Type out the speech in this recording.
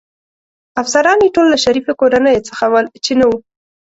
افسران يې ټول له شریفو کورنیو څخه ول، چې نه و.